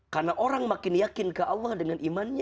karena orang makin yakin ke allah dengan imannya